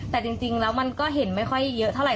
แต่จริงแล้วมันก็เห็นไม่ค่อยเยอะเท่าไห